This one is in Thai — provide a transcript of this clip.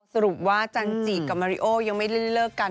สรุปว่าจันจิกับมาริโอยังไม่ได้เลิกกัน